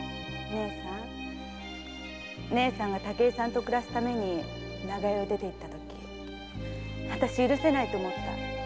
〔姉さんが武井さんと暮らすために長屋を出て行ったときわたし許せないと思った。